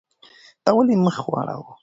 تا ولې مخ واړاوه؟